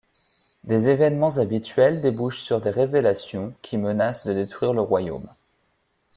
Des évènements habituels débouchent sur des révélations qui menacent de détruire le royaume.